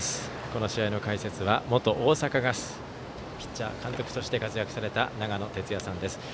この試合の解説は元大阪ガスピッチャー、監督として活躍された長野哲也さんです。